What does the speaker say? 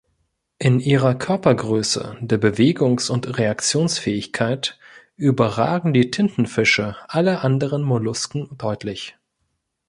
In ihrer Körpergröße, der Bewegungs- und Reaktionsfähigkeit überragen die Tintenfische alle anderen Mollusken deutlich.